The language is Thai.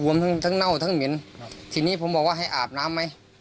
ววมทั้งเน่าทั้งหมินทีนี้ผมบอกว่าให้อาบน้ำไหม